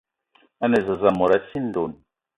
A ne zeze mot a sii ndonn